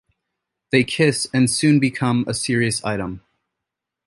They kiss and soon become a serious item.